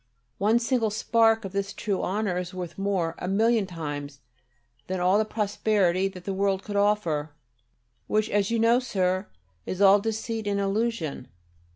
One single spark of this true honour is worth more, a million times, than all the prosperity that the world could offer, which, as you know, Sir, is all deceit and illusion.